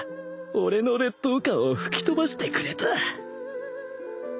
俺の劣等感を吹き飛ばしてくれた